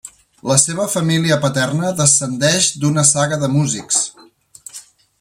La seva família paterna descendeix d'una saga de músics.